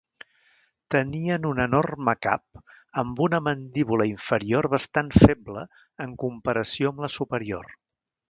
Tenien un enorme cap amb una mandíbula inferior bastant feble en comparació amb la superior.